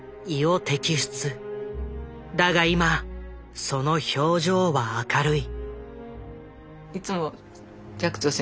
だが今その表情は明るい。